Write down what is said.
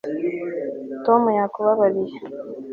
tom yakubabariye